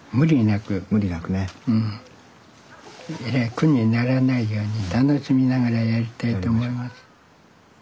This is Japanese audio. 苦にならないように楽しみながらやりたいと思います。